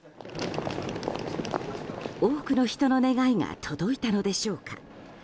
多くの人の願いが届いたのでしょうか。